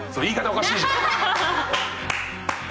おかしいじゃん。